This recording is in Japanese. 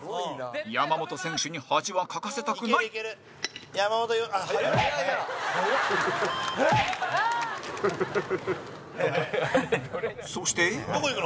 山本選手に恥はかかせたくないそして蛍原：どこ行くの？